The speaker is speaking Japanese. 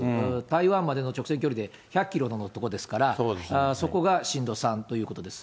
台湾までの直線距離で１００キロの所ですから、そこが震度３ということです。